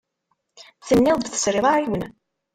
Tenniḍ-d tesriḍ aɛiwen.